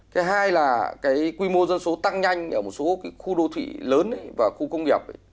thứ hai là cái quy mô dân số tăng nhanh ở một số khu đô thị lớn và khu công nghiệp